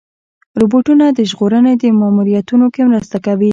روبوټونه د ژغورنې ماموریتونو کې مرسته کوي.